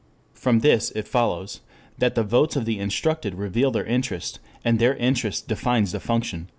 From this it follows that the votes of the instructed reveal their interest, and their interest defines the function.